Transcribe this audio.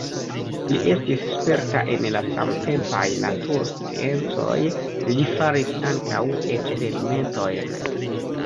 Li estis sperta en la samtempaj natursciencoj, li faris ankaŭ eksperimentojn.